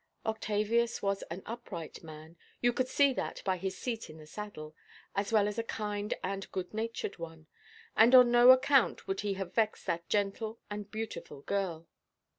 Octavius was an upright man—you could see that by his seat in the saddle—as well as a kind and good–natured one; and on no account would he have vexed that gentle and beautiful girl.